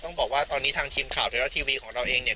บอกว่าตอนนี้ทางทีมข่าวไทยรัฐทีวีของเราเองเนี่ย